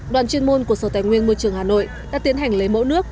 đoàn chuyên môn của sở tài nguyên môi trường hà nội đã tiến hành lấy mẫu nước